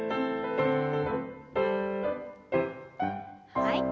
はい。